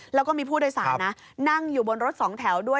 แล้วก็มีผู้โดยสารนะนั่งอยู่บนรถสองแถวด้วย